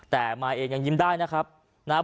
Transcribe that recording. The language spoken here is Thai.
แต่มาเองยังยิ้มได้นะครับนะครับ